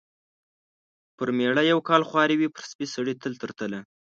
پر مېړه یو کال خواري وي، پر سپي سړي تل تر تله.